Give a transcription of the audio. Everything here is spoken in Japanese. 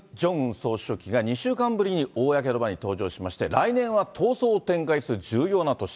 総書記が２週間ぶりに公の場に登場しまして、来年は闘争を展開する重要な年。